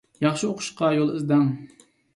ياخشى ئوقۇشقا يول ئىزدەڭ.